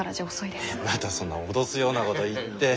またそんな脅すようなごど言って。